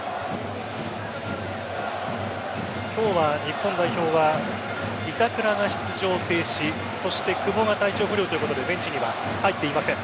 今日は日本代表は板倉が出場停止そして久保が体調不良ということでベンチにも入っていません。